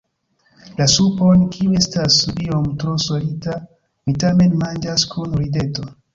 La supon, kiu estas iom tro salita, mi tamen manĝas kun rideto.